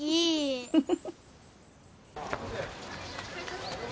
フフフフ。